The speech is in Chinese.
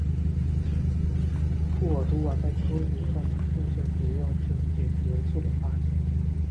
库尔图瓦在科学上的贡献主要是碘元素的发现。